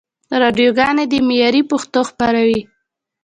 راډیوګاني دي معیاري پښتو خپروي.